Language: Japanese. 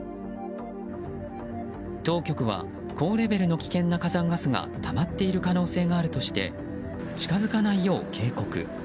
当局は高レベルの危険な火山ガスがたまっている可能性があるとして近づかないよう警告。